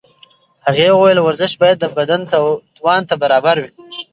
هغې وویل ورزش باید د بدن توان ته برابر وي.